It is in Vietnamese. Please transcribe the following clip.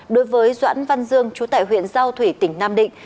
đối với doãn văn dương chú tại huyện giao thủy tỉnh nam định